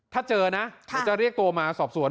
ถ้าเจอนะเดี๋ยวจะเรียกตัวมาสอบสวน